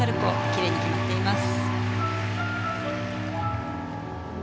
奇麗に決まっています。